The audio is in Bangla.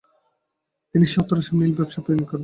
তিনি সেই অর্থ রেশম ও নীল ব্যবসায় বিনিয়োগ করে ধনী হন।